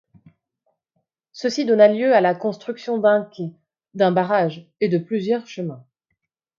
Ceci donna lieu à la construction d'un quai, d'un barrage, et de plusieurs chemins.